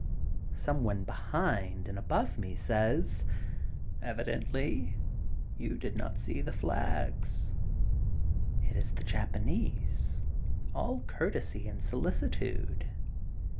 Some one behind and above me says: Evidently you did not see the flags.'' It is the Japanese, all courtesy and solicitude.